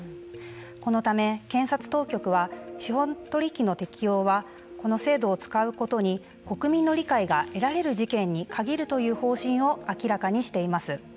このため、検察当局は司法取引の適用はこの制度を使うことに国民の理解が得られる事件に限るという方針を明らかにしています。